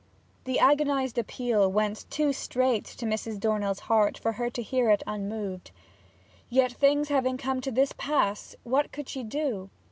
The agonized appeal went too straight to Mrs. Dornell's heart for her to hear it unmoved. Yet, things having come to this pass, what could she do?